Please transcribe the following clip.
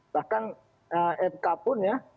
bahkan fk pun ya